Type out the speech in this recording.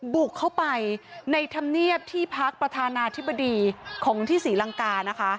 บุกเข้าไปในธรรมเนียบที่พักประธานาธิบดีของที่ศรีลังกานะคะ